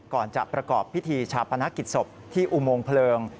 ก่อนจะประกอบพิธีชาปนกิจศพที่อุโมงเพลิง